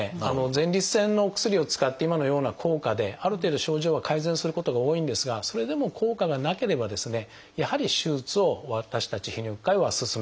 前立腺のお薬を使って今のような効果である程度症状が改善することが多いんですがそれでも効果がなければですねやはり手術を私たち泌尿器科医は勧めます。